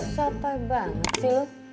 sapa banget sih lu